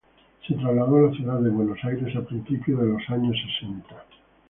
Se trasladó a la ciudad de Buenos Aires a principios de los años sesenta.